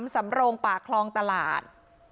๓๔๐๑๙๓สำโรงป่าคลองตลาด